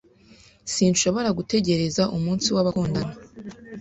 Sinshobora gutegereza umunsi w'abakundana!